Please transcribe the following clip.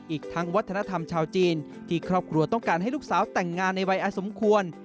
อีกทั้งวัฒนธรรมชาวจีนที่ครอบครัวต้องการให้ลูกสาวแต่งงานในวัยอสมควร